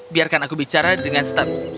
biarkan aku bicara dengan staf